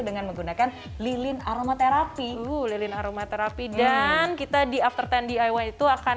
dengan menggunakan lilin aromaterapi lilin aromaterapi dan kita di after sepuluh diy itu akan